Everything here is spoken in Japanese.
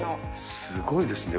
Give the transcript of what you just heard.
すごいですね。